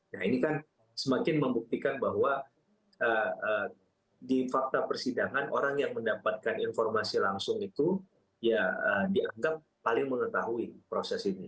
nah ini kan semakin membuktikan bahwa di fakta persidangan orang yang mendapatkan informasi langsung itu ya dianggap paling mengetahui proses ini